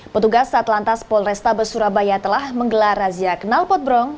petugas satlantas polrestabes surabaya telah menggelar razia kenal potbrong